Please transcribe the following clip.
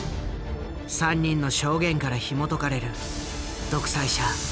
３人の証言からひもとかれる独裁者